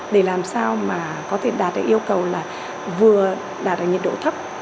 để làm sao mà có thể đạt được yêu cầu là vừa đạt được nhiệt độ thấp